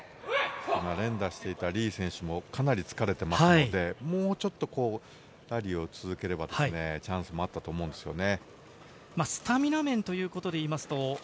連打していたリ選手もかなり疲れているので、もうちょっとラリーを続ければ、チャンスもあったと思うんですよね。